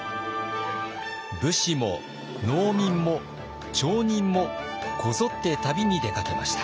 武士も農民も町人もこぞって旅に出かけました。